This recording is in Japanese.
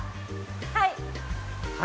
はい！